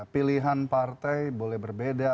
pilihan partai boleh berbeda